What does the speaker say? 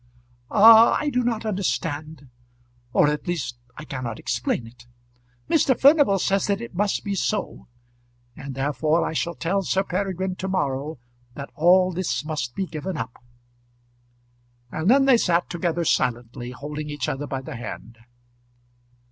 "Ah, I do not understand; or at least I cannot explain it. Mr. Furnival says that it must be so; and therefore I shall tell Sir Peregrine to morrow that all this must be given up." And then they sat together silently, holding each other by the hand.